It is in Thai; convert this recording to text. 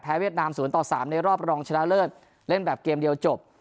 เวียดนาม๐ต่อ๓ในรอบรองชนะเลิศเล่นแบบเกมเดียวจบ